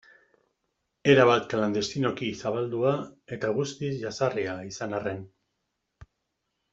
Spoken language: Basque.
Erabat klandestinoki zabaldua eta guztiz jazarria izan arren.